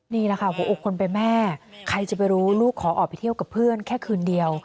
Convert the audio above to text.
นี่แหละค่ะหัวอกคนเป็นแม่ใครจะไปรู้ลูกขอออกไปเที่ยวกับเพื่อนแค่คืนเดียว